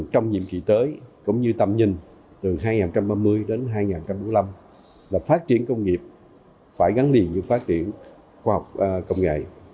trong nhiệm kỳ tới cũng như tầm nhìn từ hai nghìn ba mươi đến hai nghìn bốn mươi năm là phát triển công nghiệp phải gắn liền với phát triển khoa học công nghệ